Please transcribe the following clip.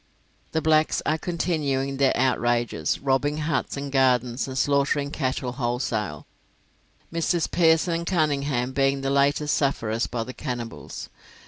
The blacks are continuing their outrages, robbing huts and gardens and slaughtering cattle wholesale, Messrs. Pearson and Cunningham being the latest sufferers by the cannibals.